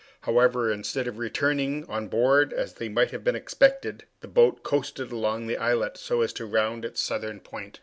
However, instead of returning on board as might have been expected, the boat coasted along the islet, so as to round its southern point.